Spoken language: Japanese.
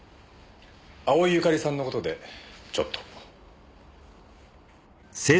青井由香利さんの事でちょっと。